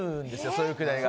そういうくだりが。